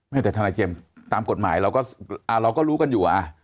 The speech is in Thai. แต่ทนายเจมส์ตามกฎหมายเราก็รู้กันอยู่